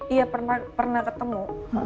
iya pernah ketemu